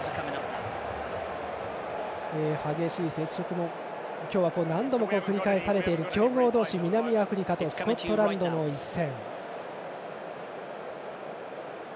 激しい接触も今日は何度も繰り返されている強豪同士、南アフリカとスコットランドの一戦。